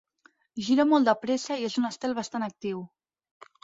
Gira molt de pressa i és un estel bastant actiu.